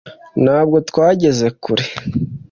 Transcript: ntabwo twageze kure